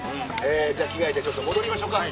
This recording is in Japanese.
じゃあ着替えてちょっと戻りましょうか。